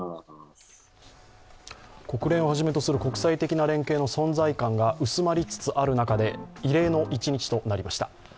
国連をはじめとする国際的な連携の存在感が薄まりつつある中で、異例の一日となりました。